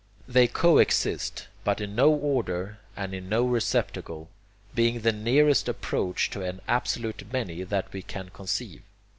They coexist, but in no order and in no receptacle, being the nearest approach to an absolute 'many' that we can conceive.